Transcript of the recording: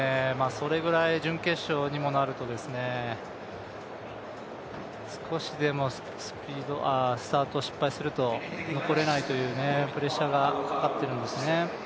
それぐらい準決勝にもなると、少しでもスタートを失敗すると残れないというプレッシャーがかかっているんですね。